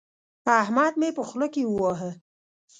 احمد مې په خوله کې وواهه.